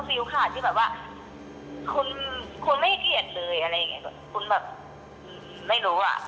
ฟิลขาดที่แบบว่าคุณคุณไม่ให้เกียรติเลยอะไรอย่างเงี้ยคุณแบบไม่รู้อ่ะ